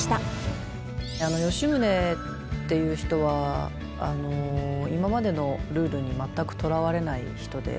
吉宗っていう人は今までのルールに全くとらわれない人で。